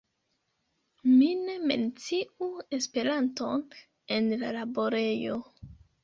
Mi ne menciu Esperanton en la laborejo.